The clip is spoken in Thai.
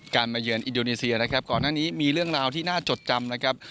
มาเยือนอินโดนีเซียนะครับก่อนหน้านี้มีเรื่องราวที่น่าจดจำนะครับ